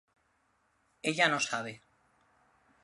Ella no sabe.